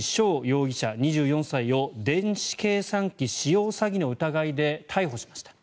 容疑者、２４歳を電子計算機使用詐欺の疑いで逮捕しました。